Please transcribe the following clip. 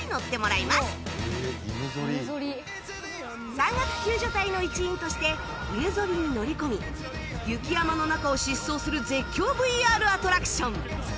山岳救助隊の一員として犬ぞりに乗り込み雪山の中を疾走する絶叫 ＶＲ アトラクション